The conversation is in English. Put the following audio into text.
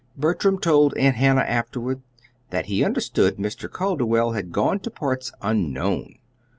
Bertram told Aunt Hannah afterward that he understood Mr. Calderwell had gone to parts unknown.